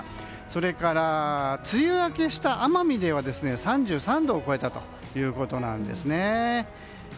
それから、梅雨明けした奄美では３３度を超えたということなんですね。